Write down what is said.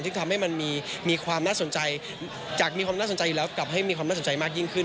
ซึ่งทำให้มันมีความน่าสนใจจากมีความน่าสนใจอยู่แล้วกลับให้มีความน่าสนใจมากยิ่งขึ้น